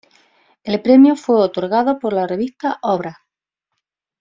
El premio fue otorgado por la Revista Obras.